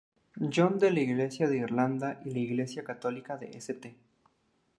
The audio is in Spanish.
John de la Iglesia de Irlanda y la iglesia católica de St.